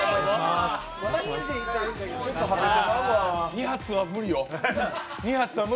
２発は無理よ。